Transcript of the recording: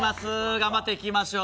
頑張っていきましょう。